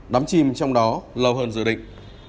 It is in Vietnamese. đắm chìm trong đó lâu hơn dự định